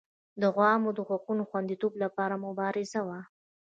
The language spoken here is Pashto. د عوامو د حقوقو د خوندیتوب لپاره مبارزه وه.